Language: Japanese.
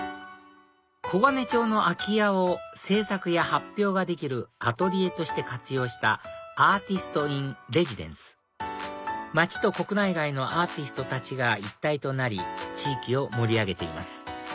黄金町の空き家を制作や発表ができるアトリエとして活用したアーティスト・イン・レジデンス街と国内外のアーティストたちが一体となり地域を盛り上げています